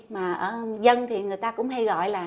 mà ở dân thì người ta cũng hay gọi là